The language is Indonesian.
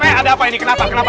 tapi ada apa ini kenapa kenapa